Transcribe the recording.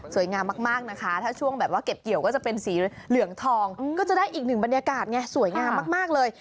งามมากนะคะถ้าช่วงแบบว่าเก็บเกี่ยวก็จะเป็นสีเหลืองทองก็จะได้อีกหนึ่งบรรยากาศไงสวยงามมากเลย